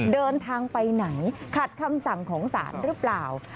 เดินทางไปไหนขัดคำสั่งของศาลหรือเปล่า